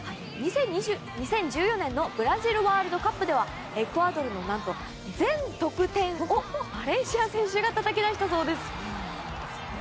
２０１４年のブラジルワールドカップではエクアドルの全得点をバレンシア選手がたたき出したそうです。